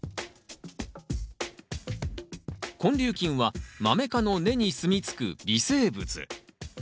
根粒菌はマメ科の根にすみつく微生物。